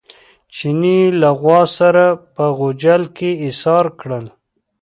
چیني یې له غوا سره په غوجل کې ایسار کړل.